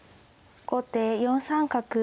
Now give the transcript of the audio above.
後手４三角。